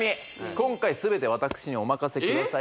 今回全て私にお任せください